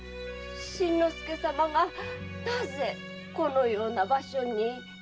新之助様がなぜこのような場所に？